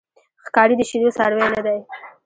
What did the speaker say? ښکاري د شیدو څاروی نه دی.